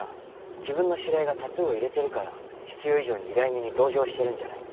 自分の知り合いがタトゥーを入れてるから必要以上に依頼人に同情してるんじゃない？